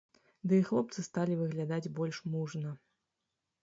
Ды і хлопцы сталі выглядаць больш мужна.